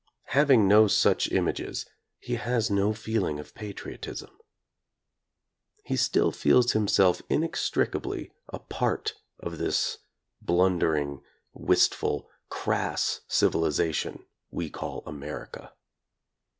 Hav ing no such images, he has no feeling of patriotism. He still feels himself inextricably a part of this blundering, wistful, crass civilization we call America.